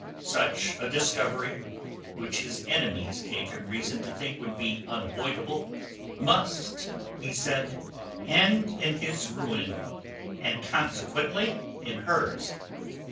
Such a discovery, which his enemies gave him reason to think would be unavoidable, must, he said, end in his ruin, and consequently in hers.